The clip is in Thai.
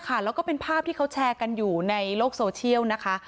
แล้วก็เป็นภาพที่เขาแชร์กันอยู่ในโลกโซเชียลนะคะ